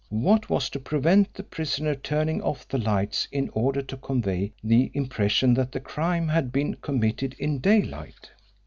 What was to prevent the prisoner turning off the lights in order to convey the impression that the crime had been committed in daylight?